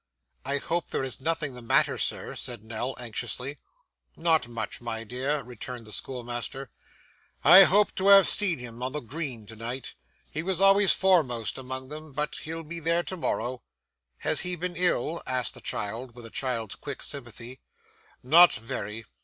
'I hope there is nothing the matter, sir,' said Nell anxiously. 'Not much, my dear,' returned the schoolmaster. 'I hoped to have seen him on the green to night. He was always foremost among them. But he'll be there to morrow.' 'Has he been ill?' asked the child, with a child's quick sympathy. 'Not very.